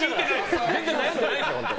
全然悩んでないじゃん。